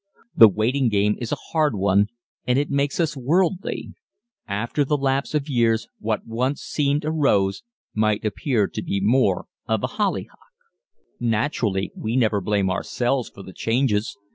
The waiting game is a hard one and it makes us worldly. After the lapse of years what once seemed a rose might appear to be more of a hollyhock. Naturally we never blame ourselves for the changes.